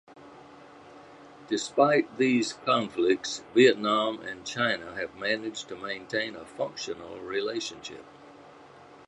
Despite these conflicts, Vietnam and China have managed to maintain a functional relationship.